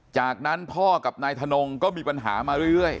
จากนั้นพ่อกับนายถนงก็มีปัญหามาเรื่อย